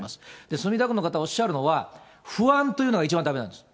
墨田区の方おっしゃるのは、不安というのが一番だめなんです。